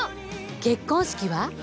結婚式は？